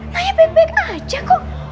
naya beg beg aja kok